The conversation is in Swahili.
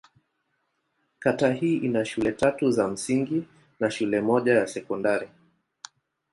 Kata hii ina shule tatu za msingi na shule moja ya sekondari.